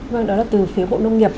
vâng đó là từ phía bộ nông nghiệp